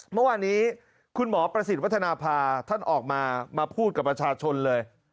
เมื่อวานนี้คุณหมอประสิทธิ์วัฒนภาท่านออกมามาพูดกับประชาชนเลย